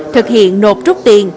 thực hiện nộp rút tiền